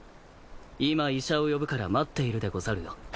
今医者を呼ぶから待っているでござるよ。